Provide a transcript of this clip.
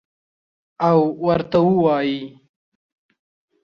او ورته ووایي: